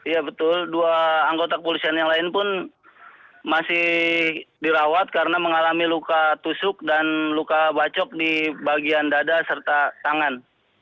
ya betul dua anggota kepolisian yang lain pun masih dirawat karena mengalami luka tusuk dan luka bacok di bagian dada serta tangan